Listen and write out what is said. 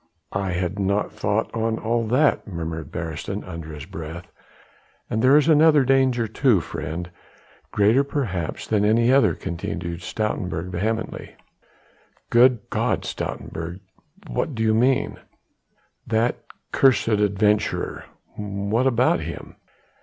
"I had not thought on all that," murmured Beresteyn under his breath. "And there is another danger too, friend, greater perhaps than any other," continued Stoutenburg vehemently. "Good G d, Stoutenburg, what do you mean?" "That cursed foreign adventurer " "What about him?"